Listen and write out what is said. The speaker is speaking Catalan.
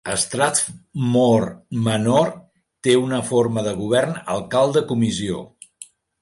Strathmoor Manor té un forma de govern alcalde-comissió.